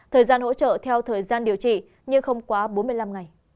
thời gian hỗ trợ theo thời gian điều trị nhưng không quá bốn mươi năm ngày